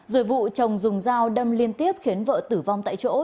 rồi vụ chồng dùng dao đâm liên tiếp khiến vợ tử vong tại chỗ